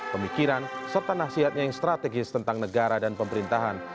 pemikiran serta nasihatnya yang strategis tentang negara dan pemerintahan